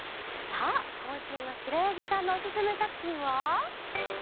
さあこんしゅうのしろやぎさんのおすすめさくひんは。